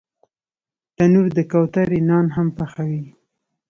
تنور د کوترې نان هم پخوي